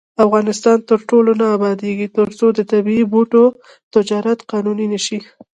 افغانستان تر هغو نه ابادیږي، ترڅو د طبیعي بوټو تجارت قانوني نشي.